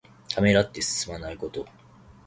ためらって進まないこと。